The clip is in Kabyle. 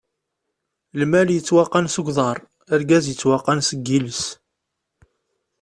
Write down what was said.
Lmal yettwaqqan seg uḍaṛ, argaz yettwaqqan seg iles!